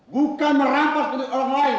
bukan merampas untuk orang lain